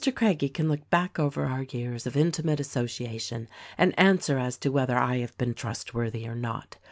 Craggie can look back over our years of intimate association and answer as to whether I have been trustworthy or not.